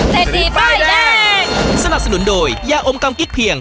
เศรษฐีป้ายแดงสนับสนุนโดยยาอมกำกิ๊กเพียง